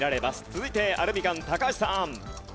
続いてアルミカン高橋さん。